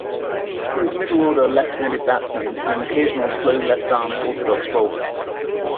He was a middle-order left-handed batsman and an occasional slow left arm orthodox bowler.